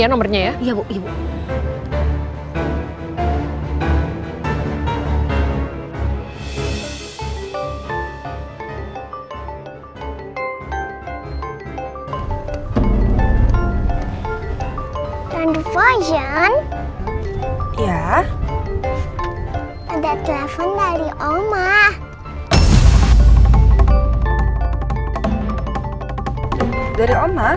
sampai andin sadar